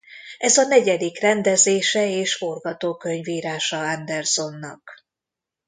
Ez a negyedik rendezése és forgatókönyvírása Andersonnak.